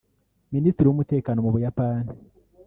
Minisitiri w’Umutekano mu Buyapani